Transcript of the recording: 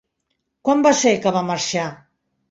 Quan va ser, que va marxar?